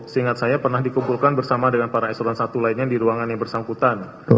seingat saya pernah dikumpulkan bersama dengan para eselon i lainnya di ruangan yang bersangkutan